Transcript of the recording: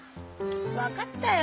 わかったよ。